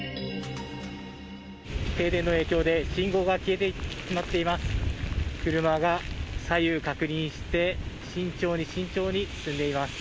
停電の影響で信号が消えてしまっています。